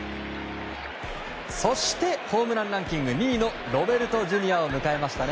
そしてホームランランキング２位のロベルトＪｒ．を迎えましたね